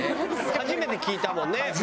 初めて聞いたもんねブリトー。